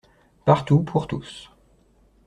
Partout pour tous